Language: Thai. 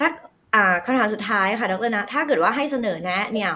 ค่ะคำถามสุดท้ายค่ะถ้าเกิดว่าให้เสนอแนะ